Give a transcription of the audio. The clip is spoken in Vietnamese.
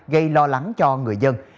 gây lo lắng cho người dân